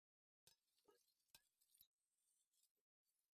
嵯峨御流是以嵯峨天皇为开祖的华道之一派。